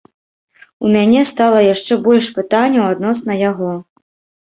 У мяне стала яшчэ больш пытанняў адносна яго.